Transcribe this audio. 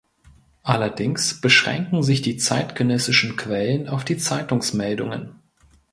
Allerdings beschränken sich die zeitgenössischen Quellen auf die Zeitungsmeldungen.